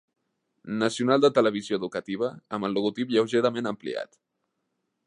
Nacional de televisió educativa amb el logotip lleugerament ampliat.